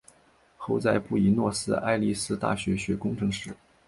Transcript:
后在布宜诺斯艾利斯大学学工程师。